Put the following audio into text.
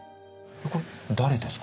これ誰ですか？